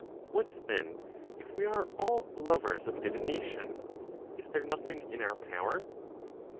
What then, if we are all lovers of divination, is there nothing in our power?